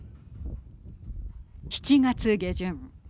７月下旬。